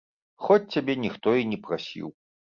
Хоць цябе ніхто і не прасіў.